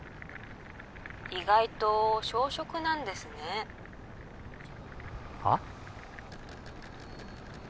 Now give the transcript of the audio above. ☎意外と小食なんですねはあ？